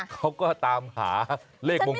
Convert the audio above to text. เขาก็ตามหาเลขมงคล